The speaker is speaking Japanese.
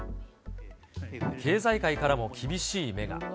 経済界からも厳しい目が。